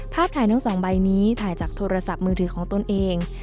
ถ่ายทั้งสองใบนี้ถ่ายจากโทรศัพท์มือถือของตนเอง